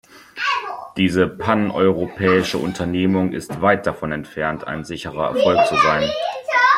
Diese paneuropäische Unternehmung ist weit davon entfernt, ein sicherer Erfolg zu sein.